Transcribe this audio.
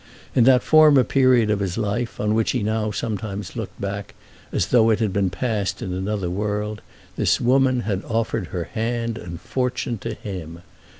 In that former period of his life, on which he now sometimes looked back as though it had been passed in another world, this woman had offered her hand and fortune to him.